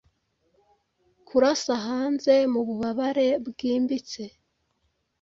Kurasa hanze mu bubabare bwimbitse,